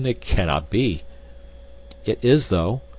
It cannot be." "It is, though.